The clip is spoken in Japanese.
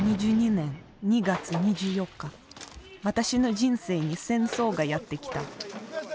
２０２２年２月２４日私の人生に「戦争」がやってきた。